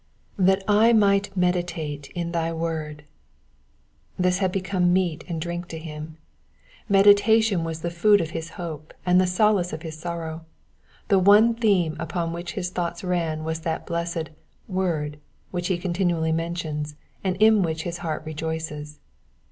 '''•I'hat I might meditate in thy tcord,^'' This had become meat and drink to him. Meditatiun was the food of his hope, and the solace of his sorrow : the one theme upon which his thoughts ran was that blessed word ^* which he continually mentions, and in which his heart rejoices.